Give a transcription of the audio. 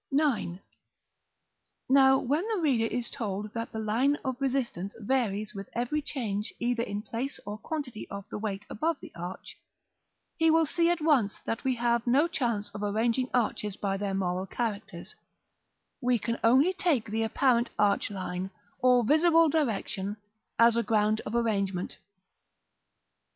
§ IX. Now when the reader is told that the line of resistance varies with every change either in place or quantity of the weight above the arch, he will see at once that we have no chance of arranging arches by their moral characters: we can only take the apparent arch line, or visible direction, as a ground of arrangement.